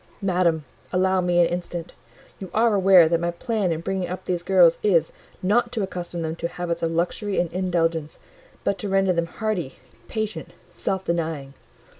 "Madam, allow me an instant. You are aware that my plan in bringing up these girls is, not to accustom them to habits of luxury and indulgence, but to render them hardy, patient, self denying.